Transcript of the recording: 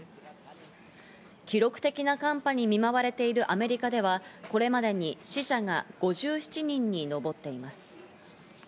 記録的な寒波に見舞われているアメリカではこれまでに死者が５７人に上っています。